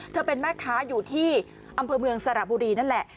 เป็นแม่ค้าอยู่ที่อำเภอเมืองสระบุรีนั่นแหละ